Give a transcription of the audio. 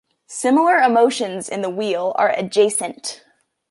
Similar emotions in the wheel are adjacent.